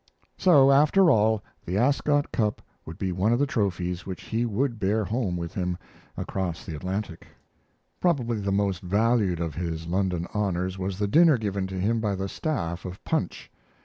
So, after all, the Ascot Cup would be one of the trophies which he would bear home with him across the Atlantic. Probably the most valued of his London honors was the dinner given to him by the staff of Punch.